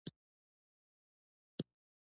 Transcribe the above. ایا ستاسو وصیت به عملي نه شي؟